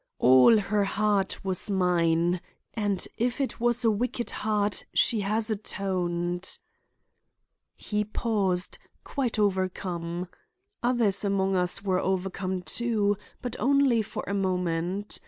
All her heart was mine, and if it was a wicked heart she has atoned—" He paused, quite overcome. Others amongst us were overcome, too, but only for a moment.